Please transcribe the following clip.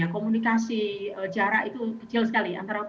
komunikasi jarak itu kecil sekali